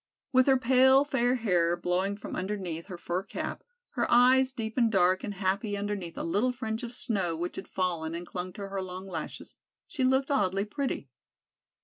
With her pale fair hair blowing from underneath her fur cap, her eyes deep and dark and happy underneath a little fringe of snow which had fallen and clung to her long lashes, she looked oddly pretty.